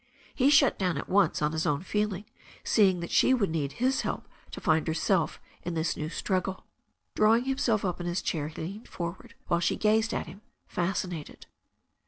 He shut down at once on his own feeling, seeing that she would need his help to find herself in this new struggle. Drawing himself up in his chair, he leaned forward, while she gazed at him, fascinated.